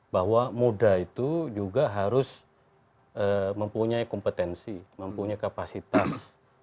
bahwa muda itu juga harus mempunyai kompetensi mempunyai kapasitas